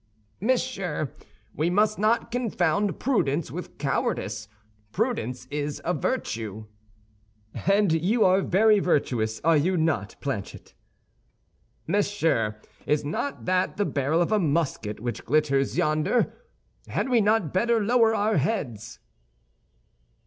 "Monsieur, we must not confound prudence with cowardice; prudence is a virtue." "And you are very virtuous, are you not, Planchet?" "Monsieur, is not that the barrel of a musket which glitters yonder? Had we not better lower our heads?"